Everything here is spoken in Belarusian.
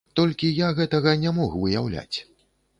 Толькі я гэтага не мог выяўляць.